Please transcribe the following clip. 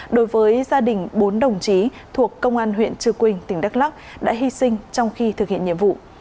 đối với gia đình bốn đồng chí thuộc công an huyện trư quynh tỉnh đắk lắc đã hy sinh trong khi thực hiện nhiệm vụ